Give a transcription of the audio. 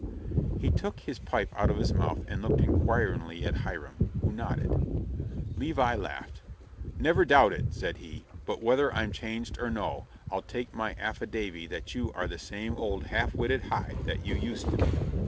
He took his pipe out of his mouth and looked inquiringly at Hiram, who nodded. Levi laughed. "Devil doubt it," said he, "but whether I'm changed or no, I'll take my affidavy that you are the same old half witted Hi that you used to be.